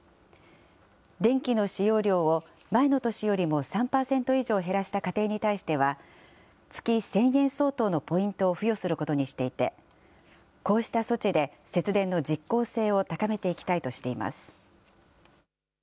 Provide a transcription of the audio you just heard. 電気の使用量を前の年よりも３％以上減らした家庭に対しては、月１０００円相当のポイントを付与することにしていて、こうした措置で節電の実効性を高めていきたいとしています。